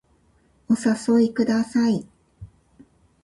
お誘いください